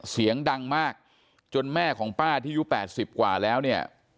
เสียงดังมากจนแม่ของป้าที่อายุ๘๐กว่าแล้วเนี่ย